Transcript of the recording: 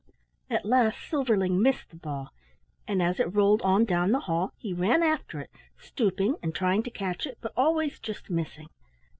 At last Silverling missed the ball, and as it rolled on down the hall he ran after it, stooping and trying to catch it, but always just missing.